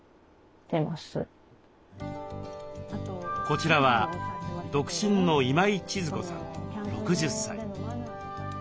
こちらは独身の今井千鶴子さん６０歳。